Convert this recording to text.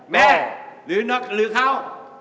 แม่หรือเขา